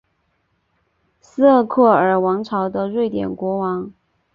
斯渥克尔王朝的瑞典国王。